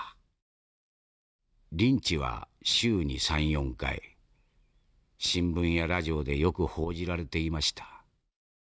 リンチは週に３４回新聞やラジオでよく報じられていました。